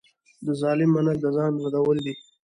د ظالم منل د ځان ردول دي.